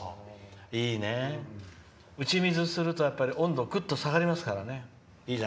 いいね、打ち水すると温度がぐっと下がりますから。